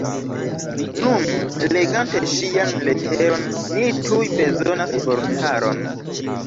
Nun, legante ŝian leteron ni tuj bezonas vortaron.